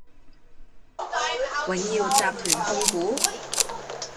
永耀集團控股